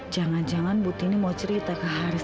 jangan jangan buti ini mau cerita ke haris